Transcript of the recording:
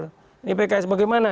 ini pks bagaimana